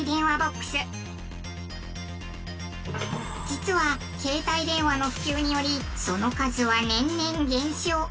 実は携帯電話の普及によりその数は年々減少。